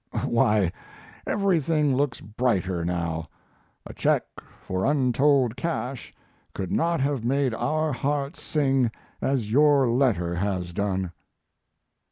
Why, everything looks brighter now. A check for untold cash could not have made our hearts sing as your letter has done.